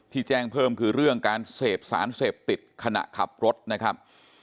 แจ้งเพิ่มคือเรื่องการเสพสารเสพติดขณะขับรถนะครับ